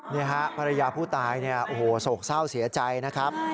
นี่ฮะภรรยาผู้ตายเนี่ยโอ้โหโศกเศร้าเสียใจนะครับ